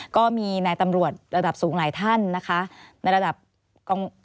ก็มีนายตำรวจระดับสูงหลายท่านนะคะ